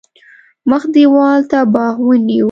مخ دېوال ته باغ ونیو.